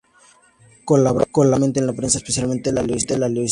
Colaboró regularmente en la prensa especializada de Lisboa.